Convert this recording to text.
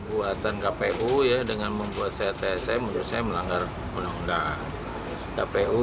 buatan kpu dengan membuat saya tsm menurut saya melanggar undang undang